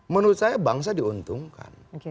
menurut saya bangsa diuntungkan